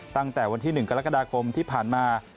ตั้งแต่วันที่๑กรกฎาคมที่ผ่านมา